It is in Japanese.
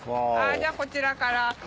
じゃあこちらから。